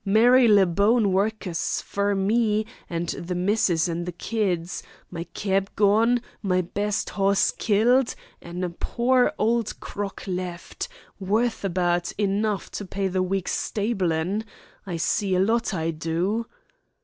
Marylebone Work'us fer me an' the missis an' the kids. My keb gone, my best hoss killed, an' a pore old crock left, worth abart enough to pay the week's stablin'. I see a lot, I do."